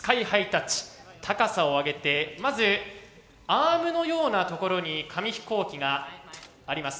高さを上げてまずアームのようなところに紙飛行機があります。